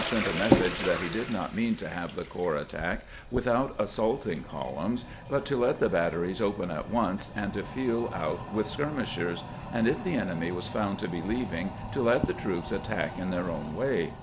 sent a message that he did not mean to have the corps attack without assaulting columns, but to let the bat teries open at once, and to feel out with skirmishers, and if the enemy was found to be leaving to let the troops attack in their own way.